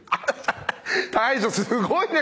大将すごいね！